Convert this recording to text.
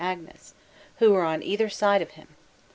Agnes, who are on either side of him.